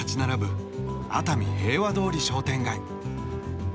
熱海平和通り商店街。